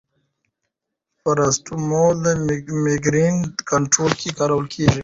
پاراسټامول د مېګرین کنټرول کې کارول کېږي.